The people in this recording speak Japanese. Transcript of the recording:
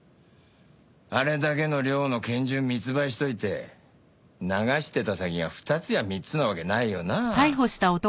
あれだけの量の拳銃密売しといて流してた先が二つや三つなわけないよな？